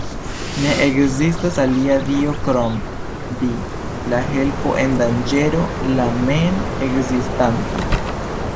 Ne ekzistas alia dio krom Vi, la Helpo en danĝero, la Mem-Ekzistanta.